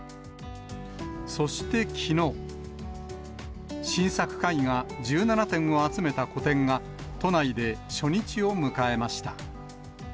そしてきのう、新作絵画１７点を集めた個展が、都内で初日を迎えました。